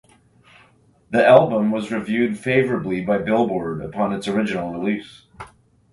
The album was reviewed favorably by "Billboard" upon its original release.